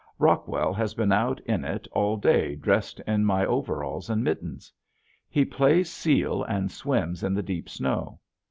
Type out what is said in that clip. Rockwell has been out in it all day dressed in my overalls and mittens. He plays seal and swims in the deep snow.